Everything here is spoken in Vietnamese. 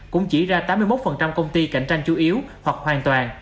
cũng chỉ ra tám mươi một công ty cạnh tranh chủ yếu hoặc hoàn toàn